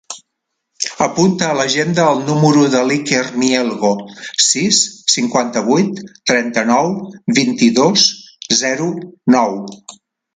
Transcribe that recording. Apunta a l'agenda el número de l'Iker Mielgo: sis, cinquanta-vuit, trenta-nou, vint-i-dos, zero, nou.